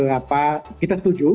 yang saya kira kita setuju